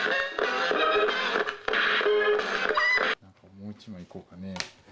もう一枚いこうかね。